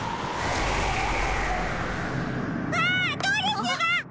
わドレスが！